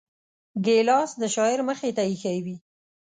ګیلاس د شاعر مخې ته ایښی وي.